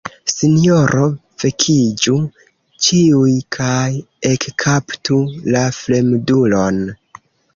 Sinjoro Vekiĝu ĉiuj kaj ekkaptu la fremdulon!